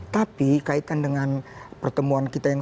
tapi kaitan dengan pertemuan kita yang